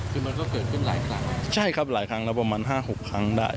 คือมันก็เกิดขึ้นหลายครั้งใช่ครับหลายครั้งแล้วประมาณห้าหกครั้งได้